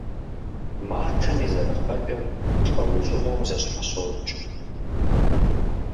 Матэм и зэрыхъэкӏэр лӏэужьыгъуэу зэщхьэщокӏ.